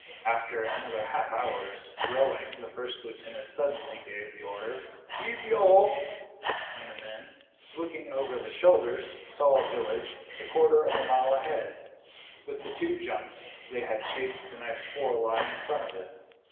After another half hour's rowing the first lieutenant suddenly gave the order "Easy all," and the men, looking over their shoulders, saw a village a quarter of a mile ahead, with the two junks they had chased the night before lying in front of it.